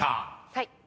はい。